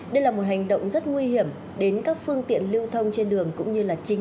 đây là một hành động rất nguy hiểm đến các phương tiện lưu thông trên đường cũng như chính